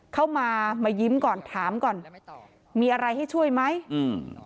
เข้ามามายิ้มก่อนถามก่อนมีอะไรให้ช่วยไหมอืม